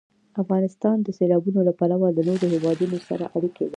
افغانستان د سیلابونو له پلوه له نورو هېوادونو سره اړیکې لري.